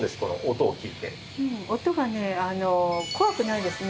音がね怖くないですね。